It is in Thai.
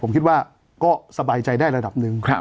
ผมคิดว่าก็สบายใจได้ระดับหนึ่ง